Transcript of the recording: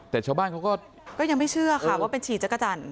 แต่ชาวบ้านเขาก็ยังไม่เชื่อค่ะว่าเป็นฉี่จักรจันท